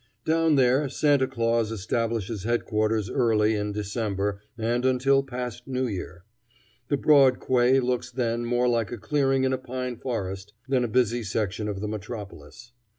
Down there Santa Claus establishes headquarters early in December and until past New Year. The broad quay looks then more like a clearing in a pine forest than a busy section of the metropolis.